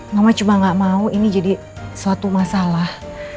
mama cuma gak mau ini jadi suatu masalah